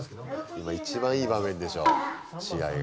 今一番いい場面でしょ試合が。